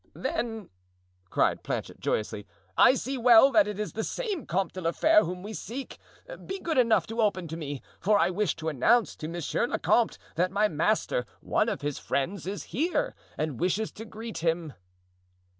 "Then," cried Planchet joyously, "I see well that it is the same Comte de la Fere whom we seek. Be good enough to open to me, for I wish to announce to monsieur le comte that my master, one of his friends, is here, and wishes to greet him."